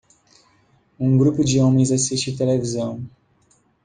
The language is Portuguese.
Um grupo de homens assiste televisão.